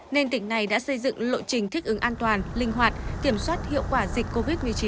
nên tỉnh này đã xây dựng lộ trình thích ứng an toàn linh hoạt kiểm soát hiệu quả dịch covid một mươi chín